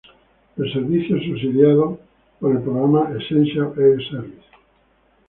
El servicio es subsidiado por el programa Essential Air Service.